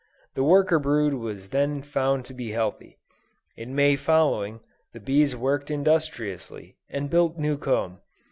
The worker brood was then found to be healthy. In May following, the bees worked industriously, and built new comb.